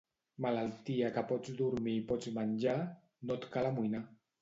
Malaltia que pots dormir i pots menjar no et cal amoïnar.